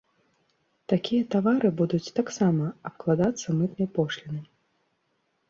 Такія тавары будуць таксама абкладацца мытнай пошлінай.